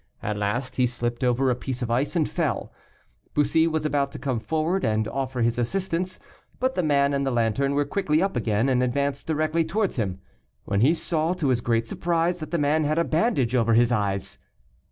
At last he slipped over a piece of ice, and fell. Bussy was about to come forward and offer his assistance, but the man and the lantern were quickly up again, and advanced directly towards him, when he saw, to his great surprise, that the man had a bandage over his eyes.